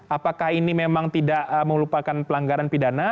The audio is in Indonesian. apakah ini memang tidak melupakan pelanggaran pidana